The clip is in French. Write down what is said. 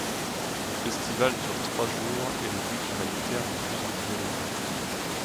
Le festival dure trois jours et le but humanitaire n'est plus une priorité.